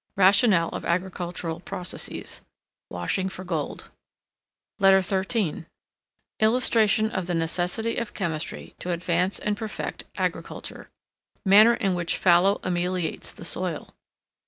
Rationale of agricultural processes. Washing for gold. LETTER XIII ILLUSTRATION OF THE NECESSITY OF CHEMISTRY TO ADVANCE AND PERFECT AGRICULTURE. Manner in which FALLOW ameliorates the soil.